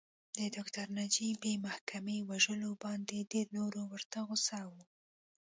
د ډاکټر نجیب بې محاکمې وژلو باندې ډېر نور ورته غوسه وو